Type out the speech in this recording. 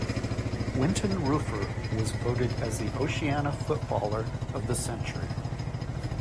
Wynton Rufer was voted as the Oceania Footballer of the Century.